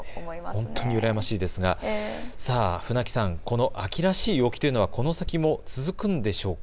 本当ににうらやましいですが船木さん、この秋らしい陽気というのはこの先も続くんでしょうか。